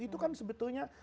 itu kan sebetulnya